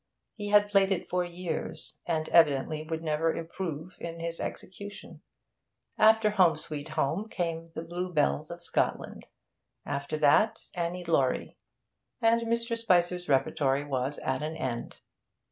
He had played it for years, and evidently would never improve in his execution. After 'Home, Sweet Home' came 'The Bluebells of Scotland,' after that 'Annie Laurie'; and Mr. Spicer's repertory was at an end.